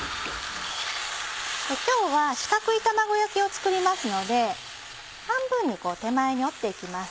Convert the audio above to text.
今日は四角い卵焼きを作りますので半分に手前に折って行きます。